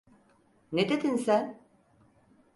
Ne dedin sen?